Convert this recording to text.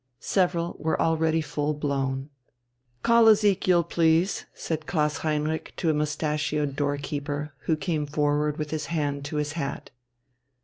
Several were already full blown. "Call Ezekiel, please," said Klaus Heinrich to a moustachioed door keeper, who came forward with his hand to his hat.